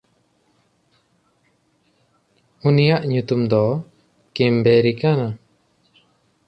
ᱩᱱᱤᱭᱟᱜ ᱧᱩᱛᱩᱢ ᱫᱚ ᱠᱤᱢᱵᱮᱨᱭ ᱠᱟᱱᱟ᱾